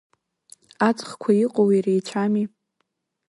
Аҵхқәа иҟоу иреицәами…